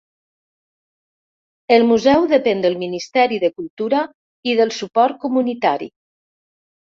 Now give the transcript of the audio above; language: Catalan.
El museu depèn del Ministeri de Cultura i del suport comunitari.